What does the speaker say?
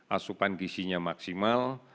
asupan gisinya maksimal